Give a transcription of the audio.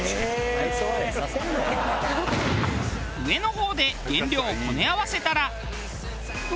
上の方で原料をこね合わせたら。